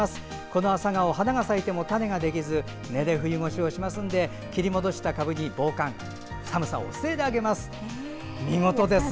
このアサガオは花が咲いても種ができず根で冬越しをしますので切り戻した株に防寒寒さを防いであげます。